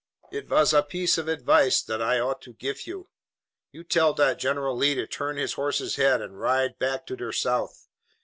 "It vas a piece of advice dot I ought to gif you. You tell dot General Lee to turn his horse's head and ride back to der South.